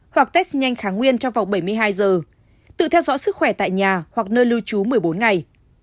hoặc test nhanh kháng nguyên trong vòng bảy mươi hai giờ tự theo dõi sức khỏe tại nhà hoặc nơi lưu trú một mươi bốn ngày